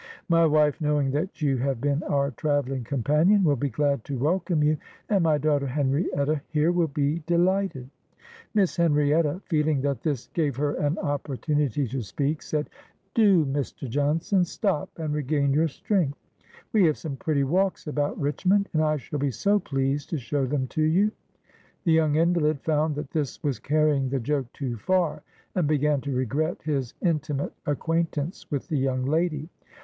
My wife, knowing that you have been our travelling companion, will be glad to welcome you, and my daughter Henrietta here will be delighted." Miss 80 BIOGRAPHY OF Henrietta, feeling that this gave her an opportunity to speak, said, ' 4 Do, Mr. Johnson, stop and regain your strength. We have some pretty walks about Rich mond, and I shall be so pleased to show them to you." The young invalid found that this was carrying the joke too far, and began to regret his intimate acquaint ance with the young lady.